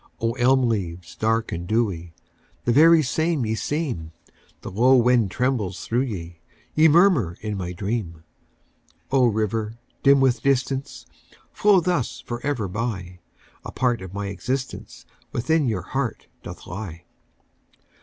O, elm leaves dark and dewy, The very same ye seem, The low wind trembles through ye, Ye murmur in my dream!O, river, dim with distance, Flow thus forever by,A part of my existenceWithin your heart doth lie!